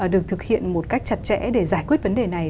được thực hiện một cách chặt chẽ để giải quyết vấn đề này